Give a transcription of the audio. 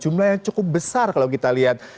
jumlahnya cukup besar kalau kita lihat